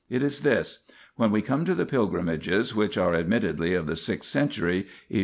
It is this. When we come to the pilgrimages which are admittedly of the sixth century, e.